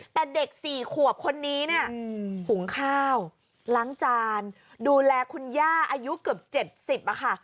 แต่เด็ก๔ขวบคนนี้เนี่ยหุงข้าวล้างจานดูแลคุณย่าอายุเกือบ๗๐ค่ะ